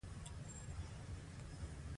اعلان د خرڅلاو ځواک زیاتوي.